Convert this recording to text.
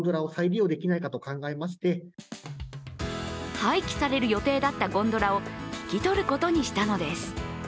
廃棄される予定だったゴンドラを引き取ることにしたのです。